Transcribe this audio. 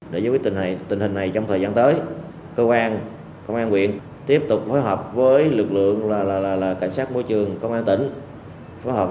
để giữ tình hình này trong thời gian tới cơ quan công an quyền tiếp tục phối hợp với lực lượng cảnh sát môi trường công an tỉnh